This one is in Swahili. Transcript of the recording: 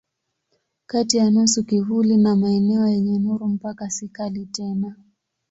Kati ya nusu kivuli na maeneo yenye nuru mpaka si kali tena.